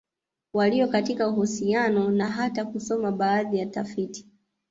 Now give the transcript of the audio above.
Walio katika uhusiano na hata kusoma baadhi ya tafiti